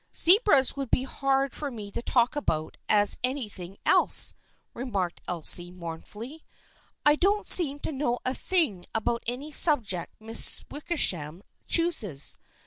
"Zebras would be as hard for me to talk about as anything else," remarked Elsie mournfully. " I don't seem to know a thing about any subject Miss Wickersham chooses.